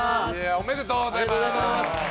おめでとうございます。